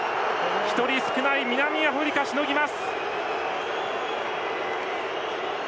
１人少ない南アフリカしのぎます。